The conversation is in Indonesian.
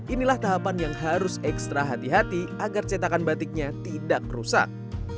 inilah tahapan yang harus ekstra hati hati agar cetakan batiknya tidak rusak